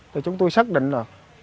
thì chúng tôi xác định là